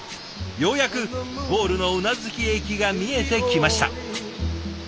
ようやくゴールの宇奈月駅が見えてきました。